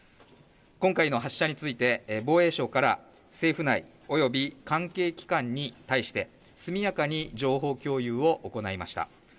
今回の発射について防衛省から政府内および、関係機関に対して速やかに情報共有を行いました。